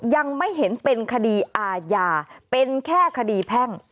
ยังไม่เห็นเป็นคดีอาญาเป็นแค่คดีแพ่ง